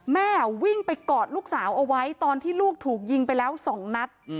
แม่วิ่งไปกอดลูกสาวเอาไว้ตอนที่ลูกถูกยิงไปแล้ว๒นัด